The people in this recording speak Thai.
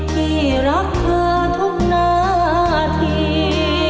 พี่รักเธอทุกนาที